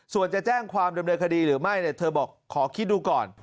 ส่วนจะแจ้งความเริ่มเรียนคดีหรือไม่ขอคิดดูก่อน